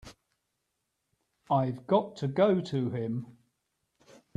I've got to go to him.